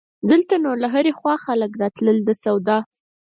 دلته نو له هرې خوا نه خلک راتلل د سودا.